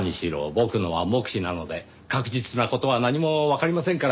僕のは目視なので確実な事は何もわかりませんから。